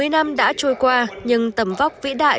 bảy mươi năm đã trôi qua nhưng tầm vóc vĩ đại